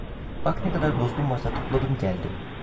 Bak ne kadar dostun varsa topladım geldim!